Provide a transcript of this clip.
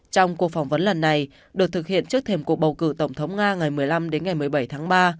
trong cuộc phỏng vấn lần này được thực hiện trước thềm cuộc bầu cử tổng thống nga ngày một mươi năm đến ngày một mươi bảy tháng ba